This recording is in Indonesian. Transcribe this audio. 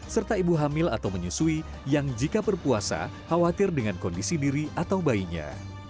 serta ibu hamil atau menyusui yang jika berpuasa khawatir dengan kondisi diri atau bayinya